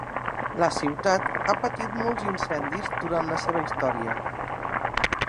La ciutat ha patit molts incendis durant la seva història.